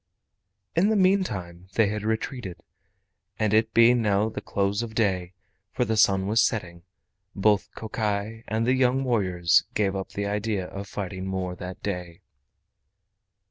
In the meantime they had retreated, and it being now the close of day, for the sun was setting, both Kokai and the young warriors gave up the idea of fighting more that day.